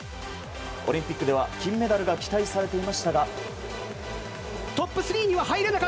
オリンピックでは金メダルが期待されていましたが。